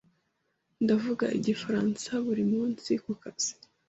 Ndavuga Igifaransa buri munsi kukazi.